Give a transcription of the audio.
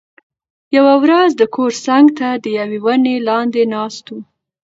یوه ورځ د کور څنګ ته د یوې ونې لاندې ناست و،